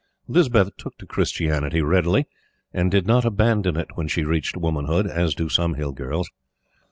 Lispeth took to Christianity readily, and did not abandon it when she reached womanhood, as do some Hill girls.